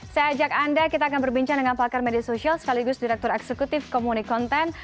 saya ajak anda kita akan berbincang dengan pakar media sosial sekaligus direktur eksekutif komunik konten